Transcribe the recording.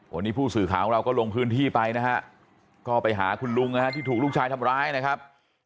วันนี้ผู้สื่อข่าวของเราก็ลงพื้นที่ไปนะฮะก็ไปหาคุณลุงนะฮะที่ถูกลูกชายทำร้ายนะครับ